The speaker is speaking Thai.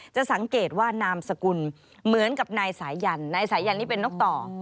จะสังเกตว่านามสกุลเหมือนกับนายสายันนายสายันนี่เป็นนกต่อ